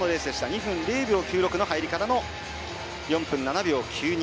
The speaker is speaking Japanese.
２分０秒９６の入り方の４分７秒９２。